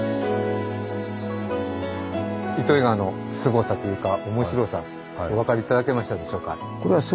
糸魚川のすごさというかおもしろさお分かり頂けましたでしょうか？